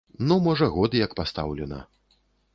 Ну можа год як пастаўлена.